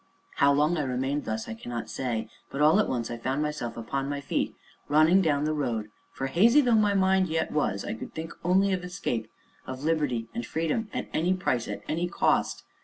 How long I remained thus I cannot say, but, all at once, I found myself upon my feet, running down the road, for, hazy though my mind yet was, I could think only of escape, of liberty, and freedom at any price at any cost.